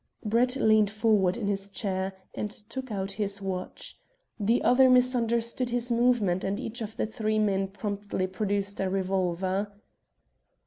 Brett leaned forward in his chair, and took out his watch. The other misunderstood his movement, and each of the three men promptly produced a revolver.